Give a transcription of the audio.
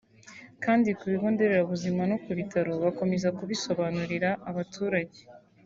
kandi ku bigo nderabuzima no ku bitaro bakomeza kubisobanurira abaturage